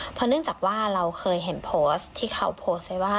เพราะเนื่องจากว่าเราเคยเห็นโพสต์ที่เขาโพสต์ไว้ว่า